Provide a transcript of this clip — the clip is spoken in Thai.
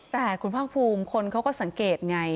แต่คุณภาคภูมิคนเขาก็สังเกตไง